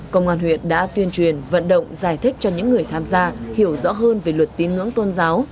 công an huyện đã tuyên truyền vận động giải thích cho những người tham gia